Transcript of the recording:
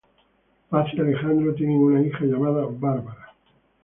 Paz y Alejandro tienen una hija llamada Bárbara.